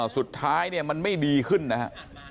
สุดท้ายเนี่ยมันไม่ดีขึ้นนะฮะ